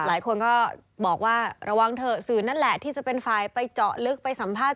หลายคนก็บอกว่าระวังเถอะสื่อนั่นแหละที่จะเป็นฝ่ายไปเจาะลึกไปสัมภาษณ